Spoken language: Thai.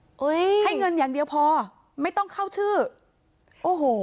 เฮ้ยให้เงินอย่างเดียวพอไม่ต้องเข้าชื่อโอ้โห